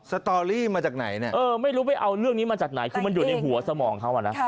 สตอรี่มาจากไหนเนี่ยไม่รู้ไปเอาเรื่องนี้มาจากไหนคือมันอยู่ในหัวสมองเขาอ่ะนะ